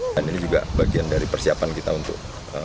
dan ini juga bagian dari persiapan kita untuk